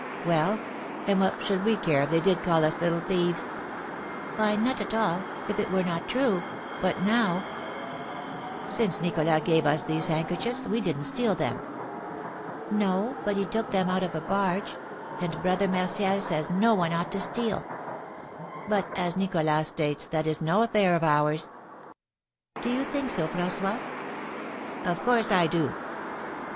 "Well, and what should we care if they did call us little thieves?" "Why, not at all, if it were not true. But now " "Since Nicholas gave us these handkerchiefs, we didn't steal them!" "No; but he took them out of a barge; and Brother Martial says no one ought to steal." "But, as Nicholas states, that is no affair of ours." "Do you think so, François?" "Of course I do."